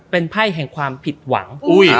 เป็นไพ่แห่งความผิดหวัง